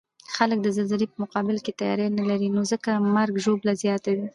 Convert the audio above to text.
خلک د زلزلې په مقابل کې تیاری نلري، نو ځکه مرګ ژوبله زیاته وی